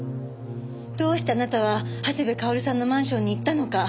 どうしてあなたは長谷部薫さんのマンションに行ったのか。